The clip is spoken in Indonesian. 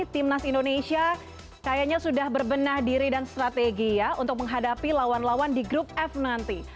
timnas indonesia kayaknya sudah berbenah diri dan strategi ya untuk menghadapi lawan lawan di grup f nanti